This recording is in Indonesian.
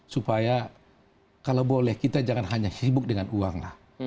supaya kalau boleh kita jangan hanya sibuk dengan uang lah